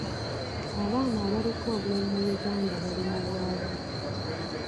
Abaana abaliko obulemu mu Uganda bali mu bwavu.